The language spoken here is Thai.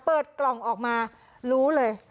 เปิดกล่องมาลูกเลย